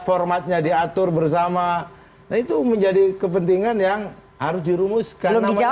formatnya diatur bersama nah itu menjadi kepentingan yang harus dirumuskan namanya